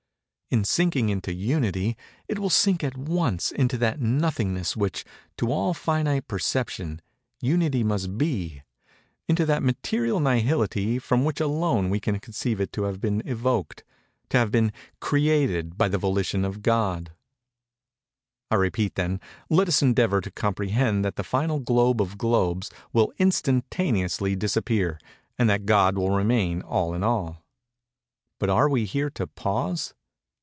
In sinking into Unity, it will sink at once into that Nothingness which, to all Finite Perception, Unity must be—into that Material Nihility from which alone we can conceive it to have been evoked—to have been created by the Volition of God. "Gravity, therefore, must be the strongest of forces."—See page 39. I repeat then—Let us endeavor to comprehend that the final globe of globes will instantaneously disappear, and that God will remain all in all. But are we here to pause?